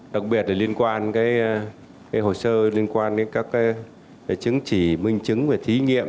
đặc biệt liên quan hồ sơ liên quan các chứng chỉ minh chứng và thí nghiệm